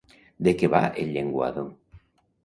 De què va El llenguado?